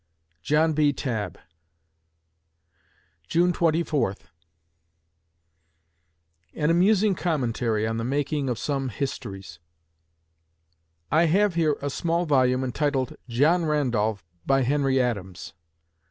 JOHN B. TABB June Twenty Fourth AN AMUSING COMMENTARY ON THE MAKING OF SOME HISTORIES I have here a small volume entitled, "John Randolph, by Henry Adams."